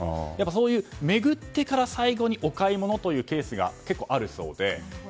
そういうところを巡ってから最後にお買い物というケースが結構あるそうで。